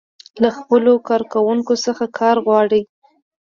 له خپلو کارکوونکو څخه کار غواړي.